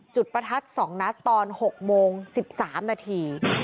ประทัด๒นัดตอน๖โมง๑๓นาที